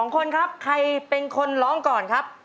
๒คนครับใครเป็นคนร้องก่อนครับ